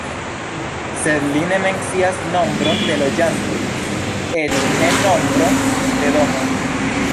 Sed li ne mencias nombron de loĝantoj, eĉ ne nombron de domoj.